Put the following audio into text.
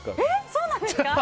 そうなんですか！